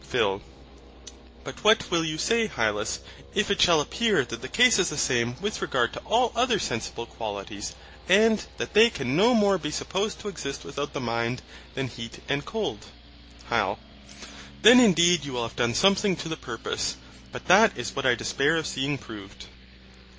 PHIL. But what will you say, Hylas, if it shall appear that the case is the same with regard to all other sensible qualities, and that they can no more be supposed to exist without the mind, than heat and cold? HYL. Then indeed you will have done something to the purpose; but that is what I despair of seeing proved.